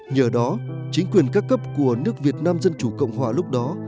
nhờ đó chính quyền các cấp của nước việt nam dân chủ cộng hòa lúc đó